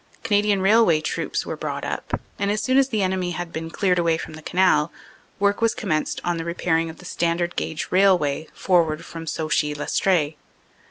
Canadian Railway Troops were brought up, and as soon as the enemy had been cleared away from the Canal, work was commenced on the repairing of the standard gauge railway forward from Sauchy Lestree.